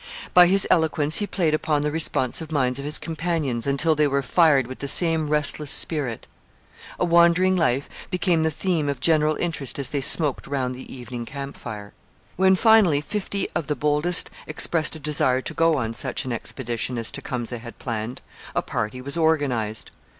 By his eloquence he played upon the responsive minds of his companions until they were fired with the same restless spirit. A wandering life became the theme of general interest as they smoked round the evening camp fire. When finally fifty of the boldest expressed a desire to go on such an expedition as Tecumseh had planned, a party was organized.